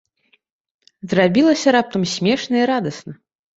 Зрабілася раптам смешна і радасна.